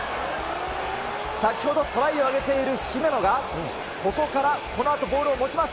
先ほどトライを挙げている姫野が、ここからこのあとボールを持ちます。